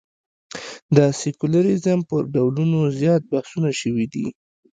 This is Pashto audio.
د سیکولریزم پر ډولونو زیات بحثونه شوي دي.